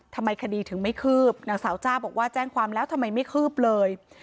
ทำไมคดีถึงไม่คืบนางสาวจ้าบอกว่าแจ้งความแล้วทำไมไม่คืบเลย